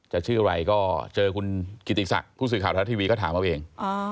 ชื่ออะไรก็เจอคุณกิติศักดิ์ผู้สื่อข่าวทรัฐทีวีก็ถามเอาเอง